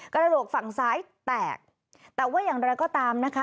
กระดูกฝั่งซ้ายแตกแต่ว่าอย่างไรก็ตามนะคะ